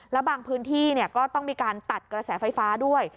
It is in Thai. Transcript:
แล้วบางพื้นที่ก็ต้องมีการตัดกระแสไฟฟ้าด้วย